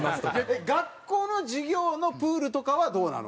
学校の授業のプールとかはどうなの？